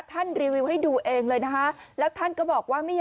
ถ้าเช็ดก้น